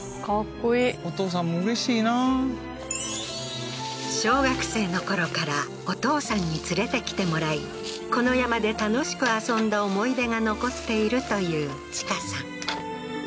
っこいいお父さんもうれしいな小学生の頃からお父さんに連れてきてもらいこの山で楽しく遊んだ思い出が残っているという千佳さん